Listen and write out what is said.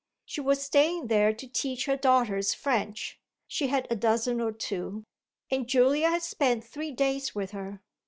She was staying there to teach her daughters French she had a dozen or two! and Julia had spent three days with her.